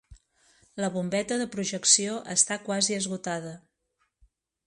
La bombeta de projecció està quasi esgotada.